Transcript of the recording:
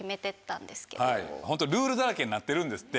ルールだらけになってるんですって。